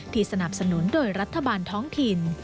สนับสนุนโดยรัฐบาลท้องถิ่น